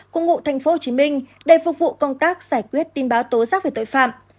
cùng ngụ tp hcm để phục vụ công tác giải quyết tin báo tố giác về tội phạm